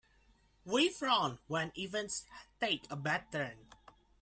We frown when events take a bad turn.